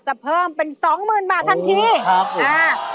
จะเพิ่มเป็น๒หมื่นบาททันทีครับครับ